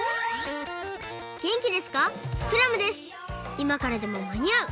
「いまからでもまにあう！